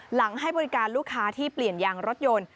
ให้บริการลูกค้าที่เปลี่ยนยางรถยนต์